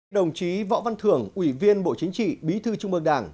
đồng chí võ văn thưởng ủy viên bộ chính trị bí thư trung mương đảng